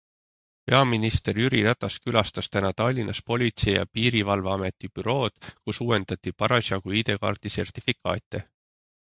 Peaminister Jüri Ratas külastas täna Tallinnas Politsei ja Piirivalveameti bürood, kus uuendati parasjagu ID-kaardi sertifikaate.